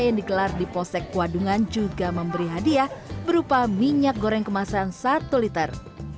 yang digelar di posek kuadungan juga memberi hadiah berupa minyak goreng kemasan satu liter